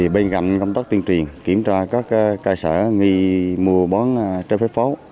bên cạnh công tác tuyên truyền kiểm tra các cơ sở nghi mua bán trái phép pháo